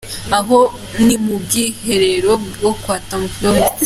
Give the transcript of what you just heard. Aha ni mu bwiherero bwo kwa Tom Close.